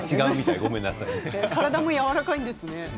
体も柔らかいんですね。